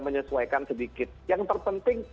menyesuaikan sedikit yang terpenting